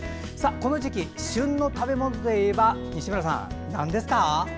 この時期、旬の食べ物といえば西村さん、なんですか？